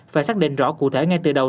phải xác định rõ cụ thể ngay từ đầu